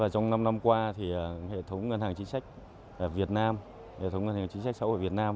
trong năm năm qua hệ thống ngân hàng chính sách xã hội việt nam